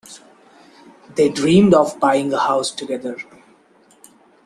They dreamed of buying a house together.